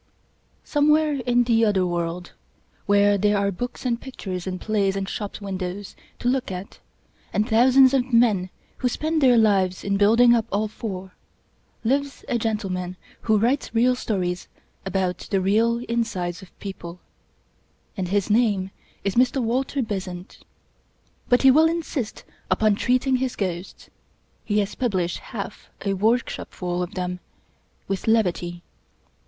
gOMEWHERE in the Other World, where there are books and pictures and plays and shop windows to look at, and thousands of men who spend their lives in building up all four, lives a gentleman who writes real stories about the real insides of people; and his name is Mr. Walter Besant. But he will insist upon treating his ghosts — ^he has published half a workshopful of them — with levity.